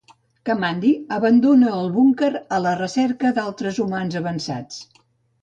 Kamandi abandona el búnquer a la recerca d'altres humans avançats.